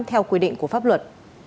theo quy định của pháp luật